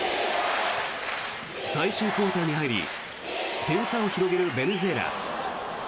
最終クオーターに入り点差を広げるベネズエラ。